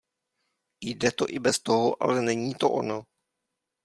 Jde to i bez toho, ale není to ono.